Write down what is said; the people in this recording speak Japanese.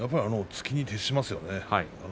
突きに徹しますよね。